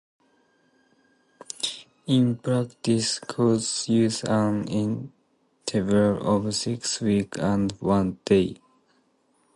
In practice, courts use an interval of six weeks and one day.